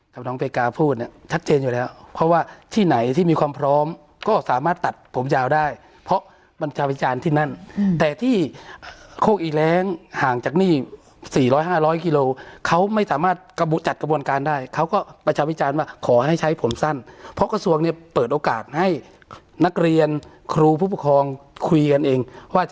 กับน้องเพกาพูดเนี่ยชัดเจนอยู่แล้วเพราะว่าที่ไหนที่มีความพร้อมก็สามารถตัดผมยาวได้เพราะบัญชาวิจารณ์ที่นั่นแต่ที่โคกอีแรงห่างจากนี่๔๐๐๕๐๐กิโลเขาไม่สามารถกระบุจัดกระบวนการได้เขาก็ประชาวิจารณ์ว่าขอให้ใช้ผมสั้นเพราะกระทรวงเนี่ยเปิดโอกาสให้นักเรียนครูผู้ปกครองคุยกันเองว่า